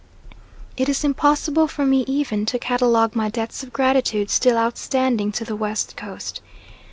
It is impossible for me even to catalogue my debts of gratitude still outstanding to the West Coast.